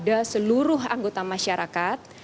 dan seluruh anggota masyarakat